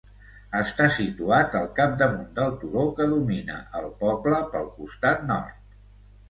Està situat al capdamunt del turó que domina el poble pel costat nord.